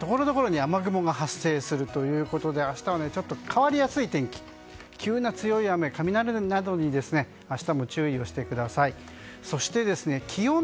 このあと午後になるとところどころに雨雲が発生するということで明日は変わりやすい天気急な強い雨、雷などに明日も注意してください。